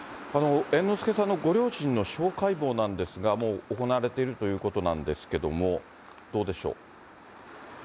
猿之助さんのご両親の司法解剖なんですが、もう行われているということなんですけども、どうでしょう。